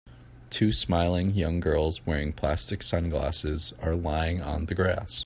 Two smiling young girls wearing plastic sunglasses are lying on the grass.